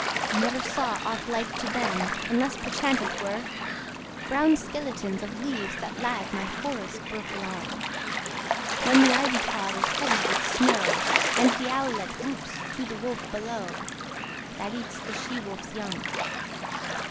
I never saw aught like to them, Unless perchance it were "Brown skeletons of leaves that lag My forest brook along; When the ivy tod is heavy with snow, And the owlet whoops to the wolf below, That eats the she wolf's young."